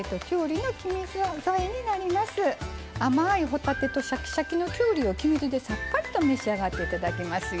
甘い帆立てとシャキシャキのきゅうりを黄身酢でさっぱりと召し上がって頂きますよ。